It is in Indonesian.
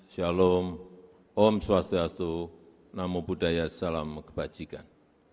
shalom om swastiastu namo buddhaya salam kebajikan